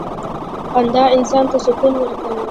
• خندا انسان ته سکون ورکوي.